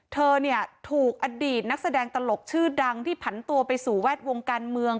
เธอเนี่ยถูกอดีตนักแสดงตลกชื่อดังที่ผันตัวไปสู่แวดวงการเมือง